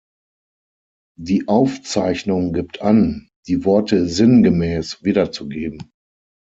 Die Aufzeichnung gibt an, die Worte „sinngemäß“ wiederzugeben.